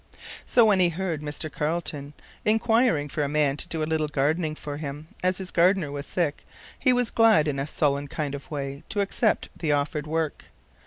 So when he heard Mr. Carleton inquiring for a man to do a little gardening for him, as his gardener was sick, he was glad in a sullen kind of way to accept the offered work.